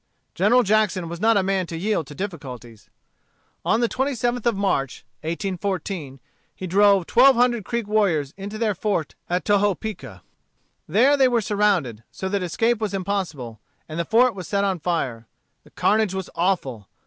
General Jackson was not a man to yield to difficulties. On the 27th of March, 1814, he drove twelve hundred Creek warriors into their fort at Tohopeka. They were then surrounded, so that escape was impossible, and the fort was set on fire. The carnage was awful.